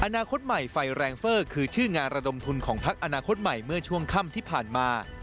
อนาคตใหม่ไฟแรงเฟอร์คือชื่องานระดมทุนของพักอนาคตใหม่เมื่อช่วงค่ำที่ผ่านมา